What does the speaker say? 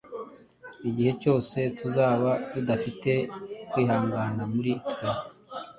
Igihe cyose tuzaba tudafite kwihangana muri twe,